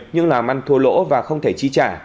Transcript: nhưng làm ăn thua lỗ và không thể chi trả